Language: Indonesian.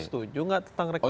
setuju gak tentang reklamasi